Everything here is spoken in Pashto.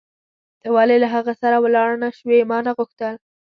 ته ولې له هغه سره ولاړ نه شوې؟ ما نه غوښتل.